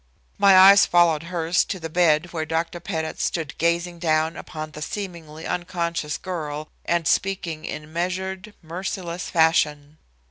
My eyes followed hers to the bed where Dr. Pettit stood gazing down upon the seemingly unconscious girl and speaking in measured, merciless fashion.